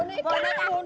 ini kan lucu